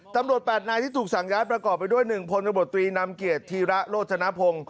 ตำรวจ๘นายที่ถูกสั่งย้ายประกอบไปด้วย๑พลบตรีนำเกียรติธีระโรจนพงศ์